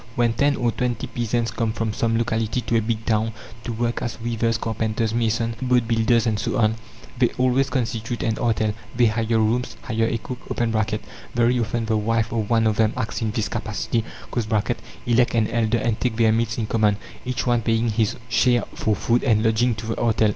When ten or twenty peasants come from some locality to a big town, to work as weavers, carpenters, masons, boat builders, and so on, they always constitute an artel. They hire rooms, hire a cook (very often the wife of one of them acts in this capacity), elect an elder, and take their meals in common, each one paying his share for food and lodging to the artel.